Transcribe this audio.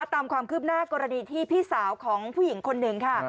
ตามความคืบหน้ากรณีที่พี่สาวของผู้หญิงคนหนึ่งค่ะ